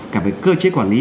cả về cơ chế quản lý